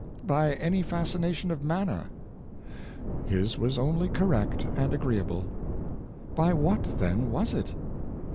By any fascination of manner.^ His was only correct and agreeable. By what, then, was it?